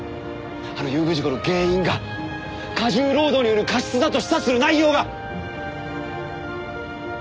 あの遊具事故の原因が過重労働による過失だと示唆する内容が！